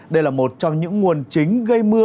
đây là một trong những nguồn chính gây mưa